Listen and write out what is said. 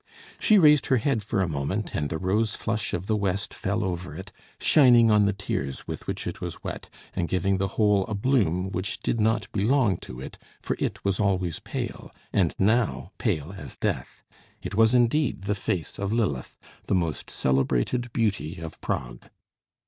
She raised her head for a moment, and the rose flush of the west fell over it, shining on the tears with which it was wet, and giving the whole a bloom which did not belong to it, for it was always pale, and now pale as death. It was indeed the face of Lilith, the most celebrated beauty of Prague.